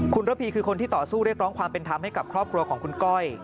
คุณระพีคือคนที่ต่อสู้เรียกร้องความเป็นธรรมให้กับครอบครัวของคุณก้อย